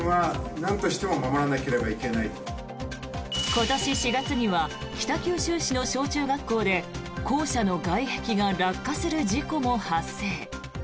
今年４月には北九州市の小中学校で校舎の外壁が落下する事故も発生。